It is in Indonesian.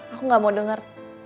aku gak mau denger